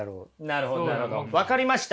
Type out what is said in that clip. なるほどなるほど分かりました。